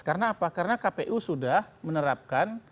karena apa karena kpu sudah menerapkan